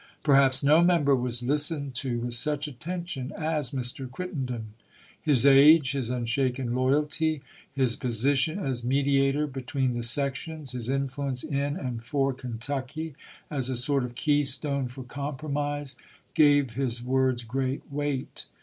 Perhaps no Member was listened to with such attention as Mr. Crittenden. His age, his unshaken loyalty, his position as mediator be tween the sections, his influence in and for Ken tucky as a sort of keystone for compromise, gave his words great weight.